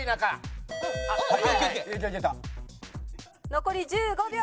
残り１５秒。